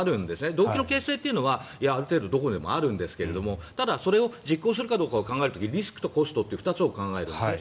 動機の形成っていうのはある程度どこにでもあるんですがただ、それを実行するかを考えた時にリスクとコストという２つを考えるんですね。